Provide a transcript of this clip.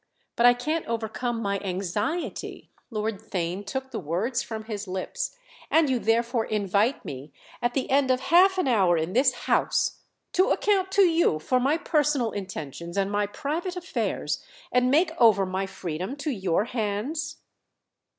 But I can't overcome my anxiety—" Lord Theign took the words from his lips. "And you therefore invite me—at the end of half an hour in this house!—to account to you for my personal intentions and my private affairs and make over my freedom to your hands?"